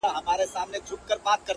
• هر سړي به ویل ښه سو چي مردار سو,